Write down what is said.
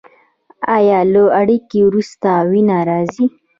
ایا له اړیکې وروسته وینه راځي؟